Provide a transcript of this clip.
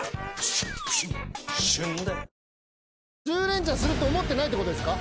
１０レンチャンするって思ってないってことですか？